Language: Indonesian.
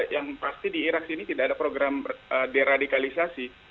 yang pasti di irak ini tidak ada program deradikalisasi